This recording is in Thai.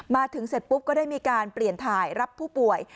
มาถึงเสร็จปุ๊บก็ได้มีการเปลี่ยนถ่ายรับผู้ป่วย